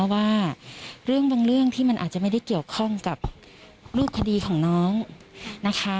ว่าเรื่องบางเรื่องที่มันอาจจะไม่ได้เกี่ยวข้องกับรูปคดีของน้องนะคะ